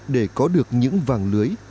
để có được những vàng lưới